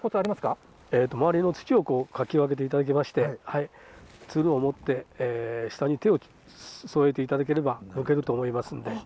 周りの土をかき分けていただきまして、つるを持って、下に手を添えていただければ抜けると思いますんで。